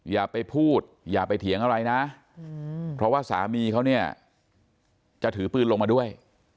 อย่าไปพูดอย่าไปเถียงอะไรนะเพราะว่าสามีเขาเนี่ยจะถือปืนลงมาด้วย